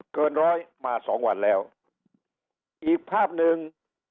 เกินร้อยมาสองวันแล้วอีกภาพหนึ่ง